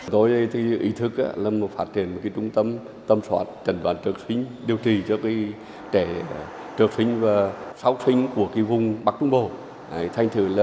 tôi ý thức là một phát triển một trung tâm tâm soát trần bản chức sinh